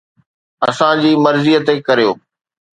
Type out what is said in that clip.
اسان جي مرضي تي ڪريو.